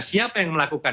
siapa yang melakukan